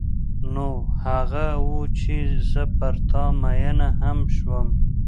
نو هغه و چې زه پر تا مینه هم شوم.